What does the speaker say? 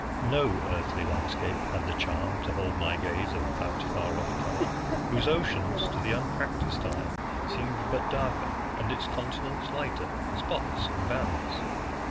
No earthly landscape had the charm to hold my gaze of that far off planet, whose oceans, to the unpracticed eye, seem but darker, and its continents lighter, spots and bands.